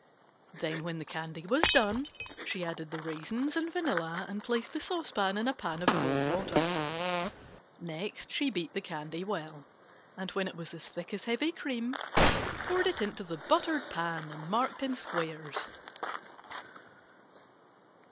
Then when the candy was done she added the raisins and vanilla and placed the saucepan in a pan of cold water. Next she beat the candy well, and when it was as thick as heavy cream, poured it into the buttered pan and marked in squares.